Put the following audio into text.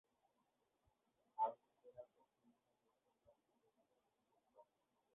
ভারতে ফেরার পর তিনি মুঘল সাম্রাজ্যে যোগদান করেন।